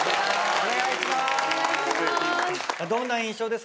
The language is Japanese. お願いします